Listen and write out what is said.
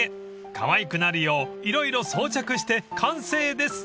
［かわいくなるよう色々装着して完成です］